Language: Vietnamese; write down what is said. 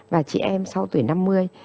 và chị em sau tuổi năm mươi